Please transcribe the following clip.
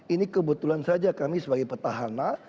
ini kebetulan saja kami sebagai petahana